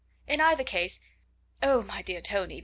In either case... oh, my dear Tony!...